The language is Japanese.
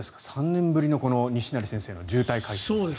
３年ぶりの西成さんの渋滞回避。